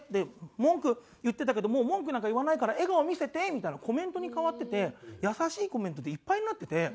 「文句言ってたけどもう文句なんか言わないから笑顔見せて！」みたいなコメントに変わってて優しいコメントでいっぱいになってて。